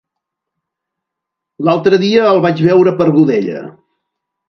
L'altre dia el vaig veure per Godella.